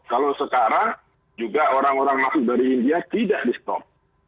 kalau sekarang juga orang orang masuk dari india tidak di stop